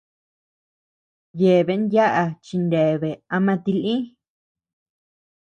Yeabean yaʼa chineabea ama tilï.